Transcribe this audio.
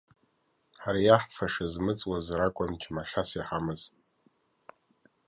Ҳара иаҳфаша змыҵуаз ракәын џьмахьас иҳамаз.